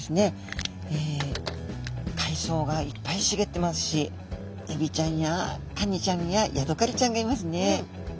海藻がいっぱいしげってますしエビちゃんやカニちゃんやヤドカリちゃんがいますね。